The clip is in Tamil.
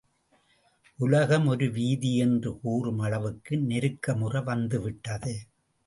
உலகம் ஒரு வீதி என்று கூறும் அளவுக்கு நெருக்கமுற வந்தவிட்டது.